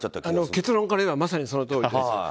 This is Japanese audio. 結論から言えばまさにそのとおりです。